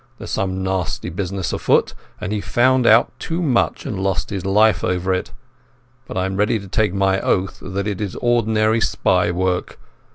There's some nasty business afoot, and he found out too much and lost his life over it. But I am ready to take my oath that it is ordinary spy work.